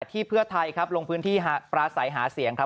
ที่เพื่อไทยครับลงพื้นที่ปราศัยหาเสียงครับ